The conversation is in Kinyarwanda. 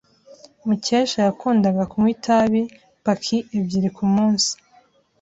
Mukesha yakundaga kunywa itabi paki ebyiri kumunsi.